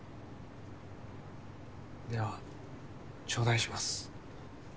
では頂戴します。